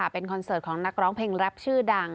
เป็นคอนเสิร์ตของนักร้องเพลงแรปชื่อดัง